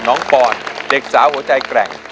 ปอนเด็กสาวหัวใจแกร่ง